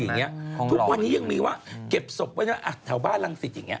ที่วันนี้ยังมีว่าเก็บศพไว้ในบ้านลังสิต